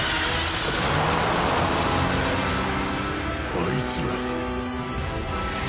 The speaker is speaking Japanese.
あいつら。